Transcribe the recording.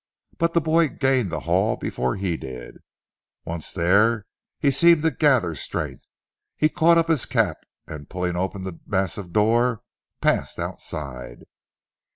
But the boy gained the hall before he did. Once there and he seemed to gather strength. He caught up his cap and pulling open the massive door passed outside.